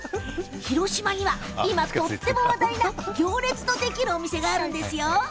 広島には、今とっても話題な行列のできるお店があるんですよ。